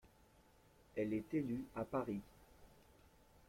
Elle est élue à Paris.